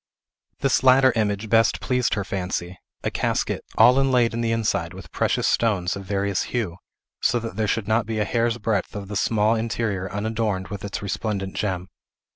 This latter image best pleased her fancy; a casket, all inlaid in the inside with precious stones of various hue, so that there Should not be a hair's breadth of the small interior unadorned with its resplendent gem.